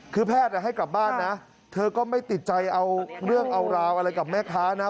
คือแพทย์ให้กลับบ้านนะเธอก็ไม่ติดใจเอาเรื่องเอาราวอะไรกับแม่ค้านะ